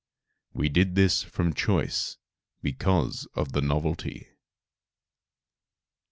We did this from choice, because of the novelty.